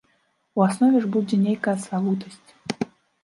У аснове ж будзе нейкая славутасць.